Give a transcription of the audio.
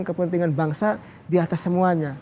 kepentingan bangsa di atas semuanya